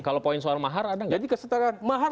kalau poin suara mahar ada nggak jadi kesetaraan mahar